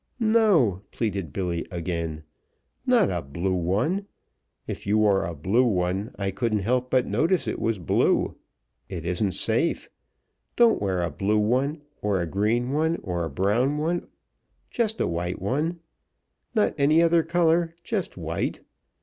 "No!" pleaded Billy again. "Not a blue one! If you wore a blue one I couldn't help but notice it was blue. It isn't safe. Don't wear a blue one, or a green one, or a brown one. Just a white one. Not any other color; just white.